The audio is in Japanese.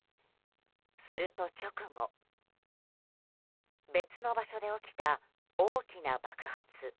すると直後別の場所で起きた大きな爆発。